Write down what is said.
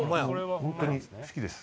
本当に好きです。